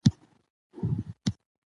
د ښوونځي روغتیا باید لومړي ځل کې معاینه سي.